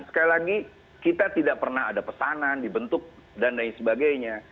sekali lagi kita tidak pernah ada pesanan dibentuk dan lain sebagainya